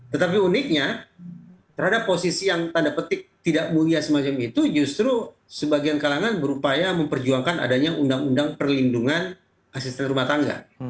tetapi uniknya terhadap posisi yang tanda petik tidak mulia semacam itu justru sebagian kalangan berupaya memperjuangkan adanya undang undang perlindungan asisten rumah tangga